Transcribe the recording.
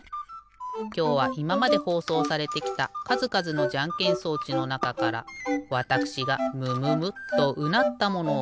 きょうはいままでほうそうされてきたかずかずのじゃんけん装置のなかからわたくしがムムムッとうなったものをごしょうかい。